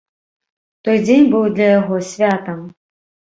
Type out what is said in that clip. Той дзень быў для яго святам.